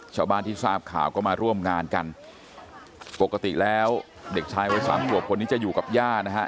ชาวบ้านที่ทราบข่าวก็มาร่วมงานกันปกติแล้วเด็กชายวัยสามขวบคนนี้จะอยู่กับย่านะฮะ